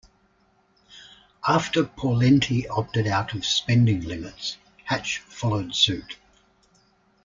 After Pawlenty opted out of spending limits, Hatch followed suit.